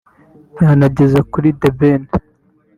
yanageze kuri The Ben